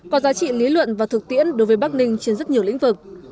có giá trị lý luận và thực tiễn đối với bắc ninh trên rất nhiều lĩnh vực